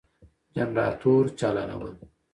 جنراتور چالانول ،